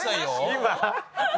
今？